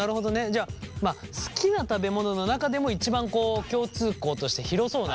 じゃあまあ好きな食べ物の中でも一番共通項として広そうな。